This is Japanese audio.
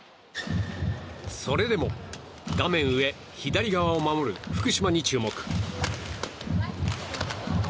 それでも画面上、左側を守る福島に注目。